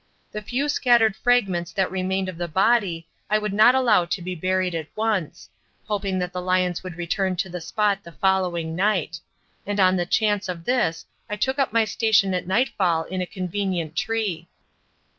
The few scattered fragments that remained of the body I would not allow to be buried at once, hoping that the lions would return to the spot the following night; and on the chance of this I took up my station at nightfall in a convenient tree.